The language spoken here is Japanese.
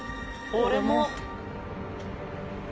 俺も。